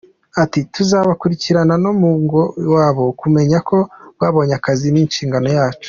Ati :”Tuzabakurikirana no mu ngo iwabo, kumenya ko babonye akazi ni inshingano yacu.